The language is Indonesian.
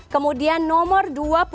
kemudian nomor dua puluh satu